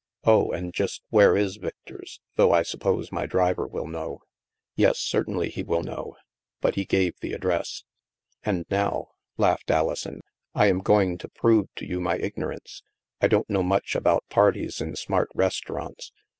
Oh, and just where is Victor's, though I suppose my driver will know." " Yes, certainly, he will know," but he gave the address. '*And now," laughed Alison, "I am going to prove to you my ignorance. I don't know much about parties in smart restaurants.